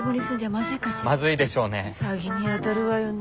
まずいでしょうね。